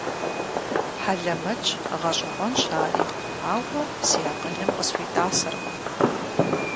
Хьэлэмэтщ, гъэщӀэгъуэнщ ари, ауэ си акъылым къысхуитӀасэркъым.